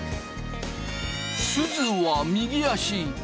すずは右足昴